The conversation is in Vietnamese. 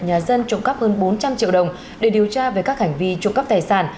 nhà dân trộm cắp hơn bốn trăm linh triệu đồng để điều tra về các hành vi trộm cắp tài sản